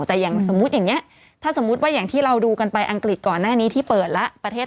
แต่อย่างสมมุติอย่างนี้ถ้าสมมุติว่าอย่างที่เราดูกันไปอังกฤษก่อนหน้านี้ที่เปิดแล้ว